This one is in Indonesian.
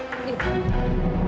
ini punya gembel